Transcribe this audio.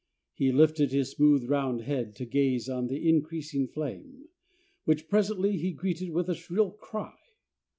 He lifted his smooth round head to gaze on the increasing flame, which presently he greeted with a shrill cry.